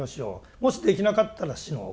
もしできなかったら死のう。